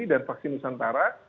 dan vaksin nusantara